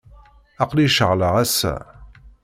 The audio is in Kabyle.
Aql-iyi ceɣleɣ ass-a.